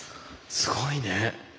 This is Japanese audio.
すごいね！